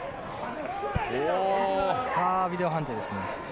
ビデオ判定ですね。